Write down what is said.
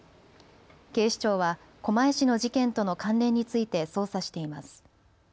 警視庁は狛江市の事件との関連について捜査しています。